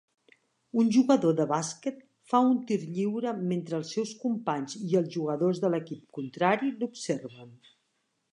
Un jugador de bàsquet fa un tir lliure mentre els seus companys i els jugadors de l'equip contrari l'observen.